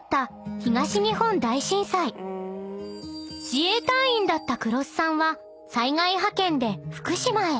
［自衛隊員だった黒須さんは災害派遣で福島へ］